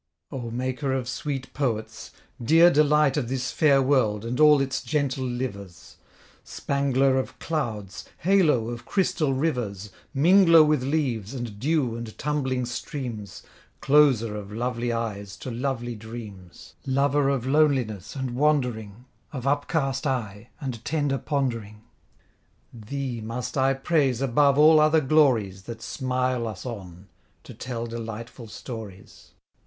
O Maker of sweet poets, dear delight Of this fair world, and all its gentle livers; Spangler of clouds, halo of crystal rivers, Mingler with leaves, and dew and tumbling streams, Closer of lovely eyes to lovely dreams, Lover of loneliness, and wandering, Of upcast eye, and tender pondering! Thee must I praise above all other glories That smile us on to tell delightful stories.